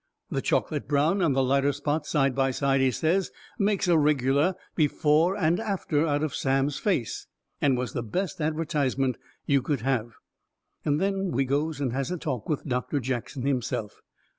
The chocolate brown and the lighter spots side by side, he says, made a regular Before and After out of Sam's face, and was the best advertisement you could have. Then we goes and has a talk with Doctor Jackson himself.